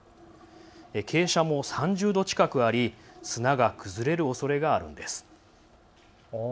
傾斜も３０度近くあり砂が崩れるおそれがあるんです。